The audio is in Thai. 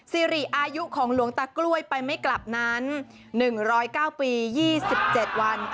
สิริอายุของหลวงตากล้วยไปไม่กลับนั้น๑๐๙ปี๒๗วัน